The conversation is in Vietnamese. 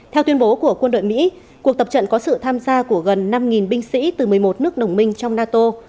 theo tuyên bố của quân đội mỹ cuộc tập trận có sự tham gia của gần năm binh sĩ từ một mươi một nước đồng minh trong nato